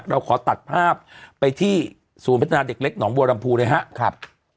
เราขอตัดภาพไปที่สูญพัฒนาเด็กหนองบัวลำพูหนะครับ